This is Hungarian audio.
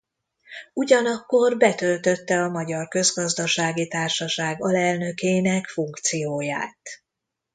Ugyanakkor betöltötte a Magyar Közgazdasági Társaság alelnökének funkcióját.